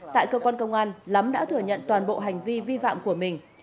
tại cơ quan công an lắm đã thừa nhận toàn bộ hành vi vi phạm của mình